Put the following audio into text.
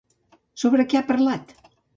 Sobre què ha parlat?